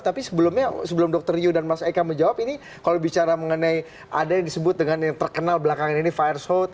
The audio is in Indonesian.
tapi sebelumnya sebelum dokter yu dan mas eka menjawab ini kalau bicara mengenai ada yang disebut dengan yang terkenal belakangan ini fire shot